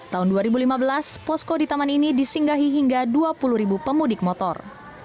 tahun dua ribu lima belas posko di taman ini disinggahi hingga dua puluh ribu pemudik motor